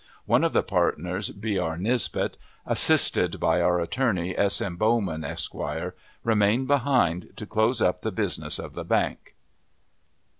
One of the partners, B. R. Nisbet, assisted by our attorney, S. M. Bowman, Esq., remained behind to close up the business of the bank.